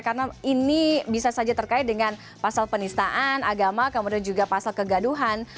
karena ini bisa saja terkait dengan pasal penistaan agama kemudian juga pasal kegaduhan